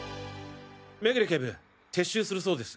目暮警部撤収するそうです。